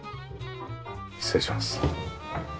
失礼します。